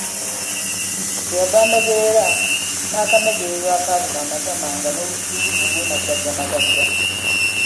Kye yava amegerera n’akamegerero akaabuna amatama nga n’obusulubu bwemasaggamasagga.